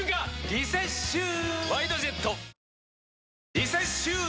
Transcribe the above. リセッシュー！